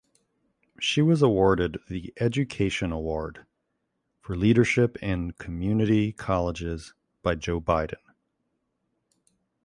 She was awarded the Education Award for Leadership in Community Colleges by Joe Biden.